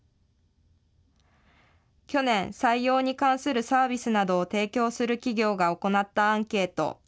去年、採用に関するサービスなどを提供する企業が行ったアンケート。